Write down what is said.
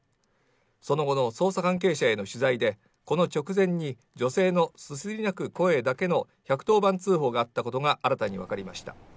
その後の捜査関係者への取材で、この直前に女性のすすり泣く声だけの１１０番通報があったことが新たにわかりました。